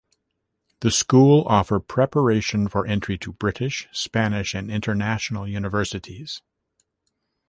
The school offer preparation for entry to British, Spanish and international universities.